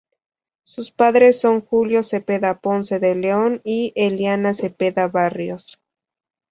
Sus padres son Julio Zepeda Ponce de León y Eliana Zepeda Barrios.